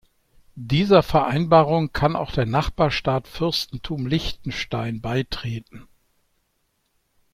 Dieser Vereinbarung kann auch der Nachbarstaat Fürstentum Liechtenstein beitreten.